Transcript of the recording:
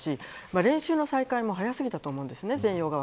練習の再開も早すぎたと思っています。